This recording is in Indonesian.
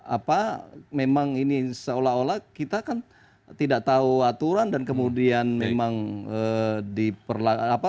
apa memang ini seolah olah kita kan tidak tahu aturan dan kemudian memang diperlakukan